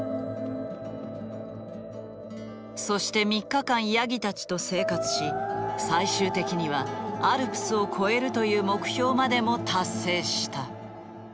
そして３日間ヤギたちと生活し最終的にはアルプスを越えるという目標までも達成した。